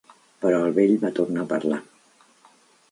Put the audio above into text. Però el vell va tornar a parlar.